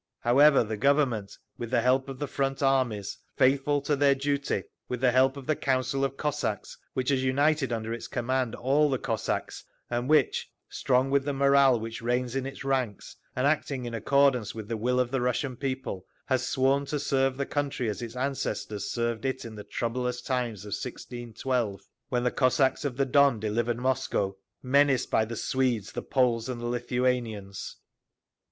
However the Government, with the help of the Front armies, faithful to their duty, with the help of the Council of Cossacks, which has united under its command all the Cossacks and which, strong with the morale which reigns in its ranks, and acting in accordance with the will of the Russian people, has sworn to serve the country as its ancestors served it in the Troublous Times of 1612, when the Cossacks of the Don delivered Moscow, menaced by the Swedes, the Poles, and the Lithuanians.